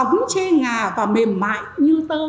ống chê ngà và mềm mại như tơ